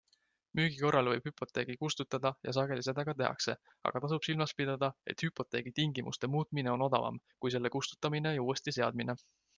Müügi korral võib hüpoteegi kustutada ja sageli seda ka tehakse, aga tasub silmas pidada, et hüpoteegi tingimuste muutmine on odavam, kui selle kustutamine ja uuesti seadmine.